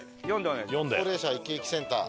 高齢者いきいきセンター。